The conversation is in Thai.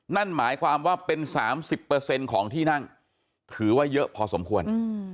นั่นหมายความว่าเป็น๓๐ของที่นั่งถือว่าเยอะพอสมควร